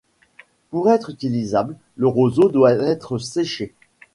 Pour être utilisable, le roseau doit être séché.